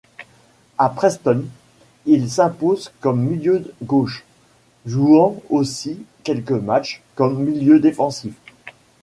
À Preston, il s'impose comme milieu gauche, jouant aussi quelques matchs comme milieu défensif.